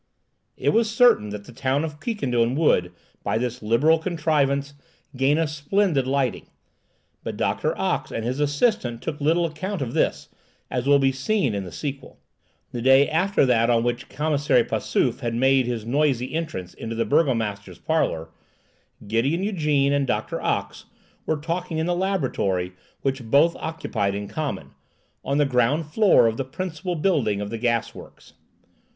It was certain that the town of Quiquendone would, by this liberal contrivance, gain a splendid lighting; but Doctor Ox and his assistant took little account of this, as will be seen in the sequel. The day after that on which Commissary Passauf had made his noisy entrance into the burgomaster's parlour, Gédéon Ygène and Doctor Ox were talking in the laboratory which both occupied in common, on the ground floor of the principal building of the gas works.